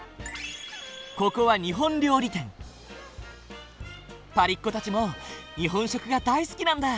ここはパリっ子たちも日本食が大好きなんだ。